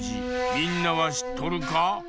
みんなはしっとるか？